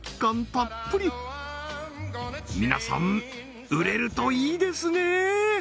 たっぷり皆さん売れるといいですね！